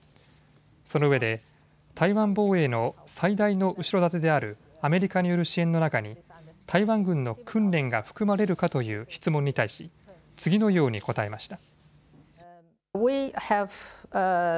そのうえで台湾防衛の最大の後ろ盾であるアメリカによる支援の中に台湾軍の訓練が含まれるかという質問に対し次のように答えました。